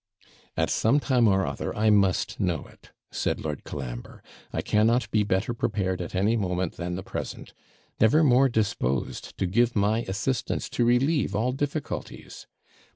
'At some time or other, I must know it,' said Lord Colambre; 'I cannot be better prepared at any moment than the present; never more disposed to give my assistance to relieve all difficulties.